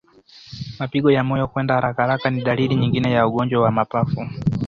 Mapigo ya moyo kwenda harakaharaka ni dalili nyingine ya ugonjwa wa mapafu